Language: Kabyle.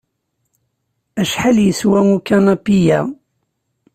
Acḥal yeswa ukanapi-ya?